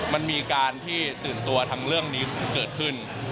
มันมีการที่ตื่นตัวทั้งเรื่องนี้เกิดขึ้น